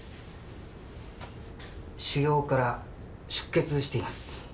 腫瘍から出血しています。